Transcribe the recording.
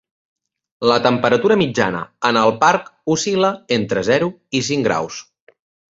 La temperatura mitjana en el Parc oscil·la entre zero i cinc graus.